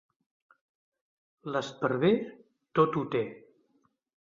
L'esparver tot ho té.